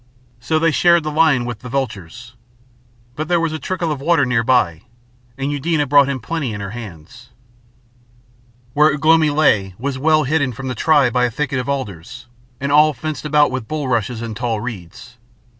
So they shared the lion with the vultures. But there was a trickle of water near by, and Eudena brought him plenty in her hands. Where Ugh lomi lay was well hidden from the tribe by a thicket of alders, and all fenced about with bulrushes and tall reeds.